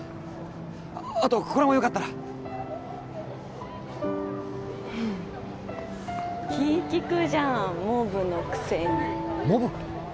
あとこれもよかったら気利くじゃんモブのくせにモブ？